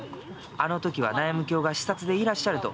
あの時は内務卿が視察でいらっしゃると。